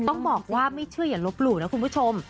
ต้องบอกว่าไม่เชื่ออย่าลบหลู่นะคุณผู้ชม